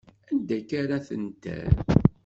Anda akka ara tent err?